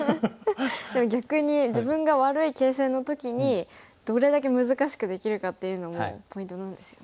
でも逆に自分が悪い形勢の時にどれだけ難しくできるかっていうのもポイントなんですよね。